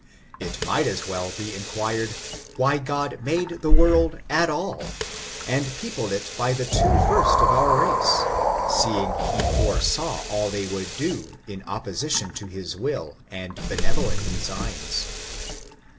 It might as well be inquired, why God made the world at all and peopled it by the two first of our race, seeing he fore saw all they would do in opposition to his will and benevolent designs.